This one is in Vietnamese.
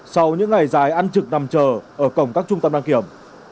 sau những ngày dài ăn trực nằm chờ ở cổng các trung tâm đăng kiểm